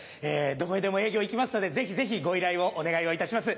どこへでも営業行きますのでぜひぜひご依頼をお願いいたします。